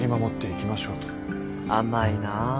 甘いなあ。